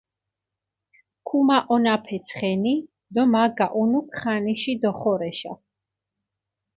ქუმაჸონაფე ცხენი დო მა გაჸუნუქ ხანიში დოხორეშა.